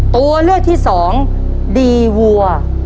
ตัวเลือกที่สองดีวัว